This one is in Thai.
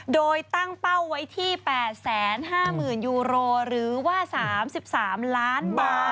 โดยตั้งเป้าไว้ที่๘๕๐๐๐ยูโรหรือว่า๓๓ล้านบาท